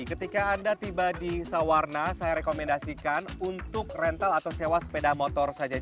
ketika anda tiba di sawarna saya rekomendasikan untuk rental atau sewa sepeda motor saja